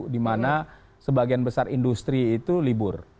di mana sebagian besar industri itu libur